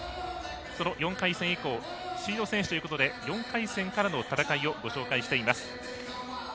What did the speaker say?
その４回戦以降シード選手ということで４回戦からの戦いをご紹介しています。